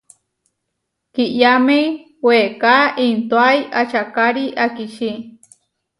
Kiʼyáme weeká intóai ačakári akiči.